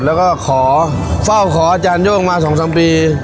แล้วก็ขอเฝ้าขออาจารโย่งมา๒๓ปี